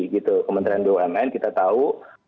kementerian bumn kita tahu